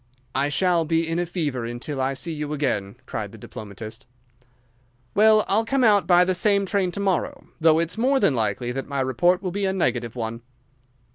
"I shall be in a fever until I see you again," cried the diplomatist. "Well, I'll come out by the same train to morrow, though it's more than likely that my report will be a negative one."